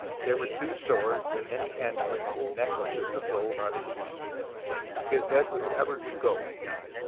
There were two swords and many amulets and neck laces of gold on his neck : his head was covered with gold.